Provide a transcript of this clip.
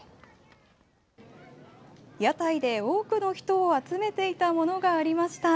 屋台で、多くの人を集めていたものがありました。